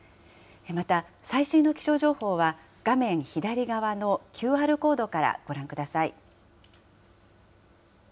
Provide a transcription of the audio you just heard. また、最新の気象情報は画面左側のＱＲコードからご覧ください。